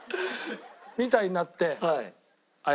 みたいになって。